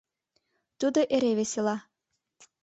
Тудо эре весела.